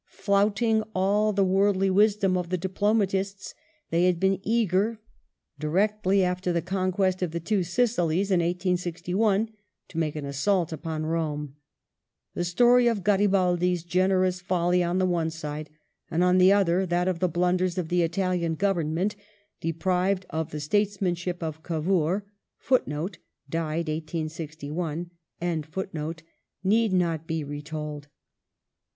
Flouting all the worldly wisdom of the diplomatists, they had been eager, directly after the conquest of the two Sicilies (1861), to make an assault upon Rome. The story of Garibaldi's generous folly on the one side, and on the other that of the blunders of the Italian Government, deprived of the statesmanship of Cavour,^ need not be re told.